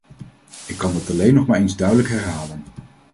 Ik kan dat alleen nog maar eens duidelijk herhalen.